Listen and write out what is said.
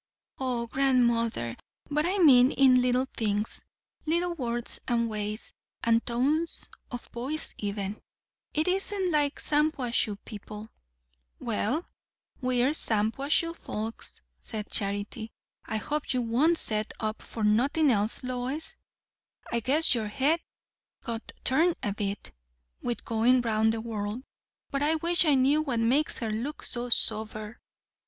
"O grandmother, but I mean in little things; little words and ways, and tones of voice even. It isn't like Shampuashuh people." "Well, we're Shampuashuh folks," said Charity. "I hope you won't set up for nothin' else, Lois. I guess your head got turned a bit, with goin' round the world. But I wish I knew what makes her look so sober!"